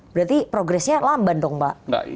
berarti progresnya lamban dong pak